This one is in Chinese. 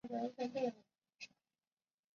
未上映未上映